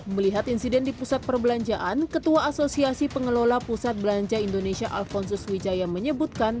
melihat insiden di pusat perbelanjaan ketua asosiasi pengelola pusat belanja indonesia alfonsus wijaya menyebutkan